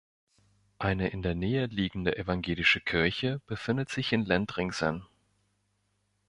Eine in der Nähe liegende evangelische Kirche befindet sich in Lendringsen.